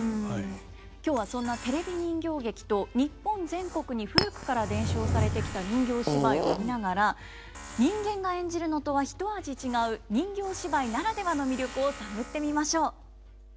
今日はそんなテレビ人形劇と日本全国に古くから伝承されてきた人形芝居を見ながら人間が演じるのとはひと味違う人形芝居ならではの魅力を探ってみましょう。